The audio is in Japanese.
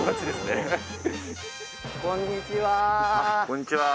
こんにちは。